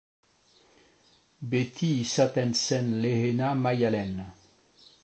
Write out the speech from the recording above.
Beti izaten zen lehena Maialen.